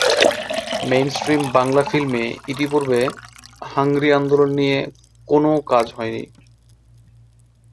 Main stream Bangla ফিল্মে ইতোপূর্বে hungry আন্দোলন নিয়ে কোনও কাজ হয়নি।